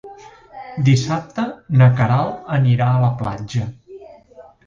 Dissabte na Queralt anirà a la platja.